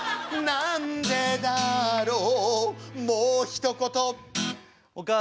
なんでだろう